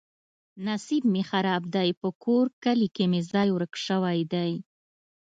نصیب مې خراب دی. په کور کلي کې مې ځای ورک شوی دی.